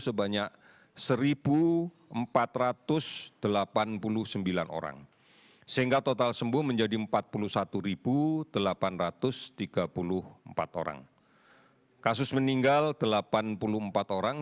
sebanyak satu empat ratus delapan puluh sembilan orang sehingga total sembuh menjadi empat puluh satu delapan ratus tiga puluh empat orang kasus meninggal delapan puluh empat orang